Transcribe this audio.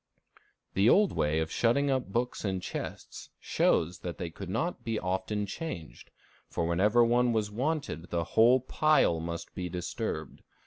The old way of shutting up books in chests shows that they could not be often changed, for whenever one was wanted the whole pile must be disturbed.